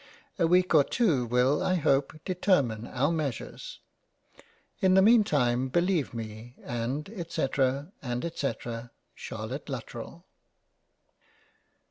A week or two will I hope determine our Measures — in the mean time believe me and etc — and etc — Charlotte Lutterell.